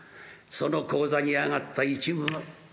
その高座に上がった一夢。